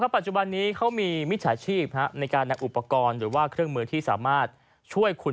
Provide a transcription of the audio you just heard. ปัจจุบันนี้เขามีมิจฉาชีพในการนำอุปกรณ์หรือว่าเครื่องมือที่สามารถช่วยคุณ